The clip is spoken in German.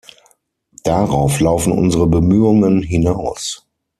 Darauf laufen unsere Bemühungen hinaus.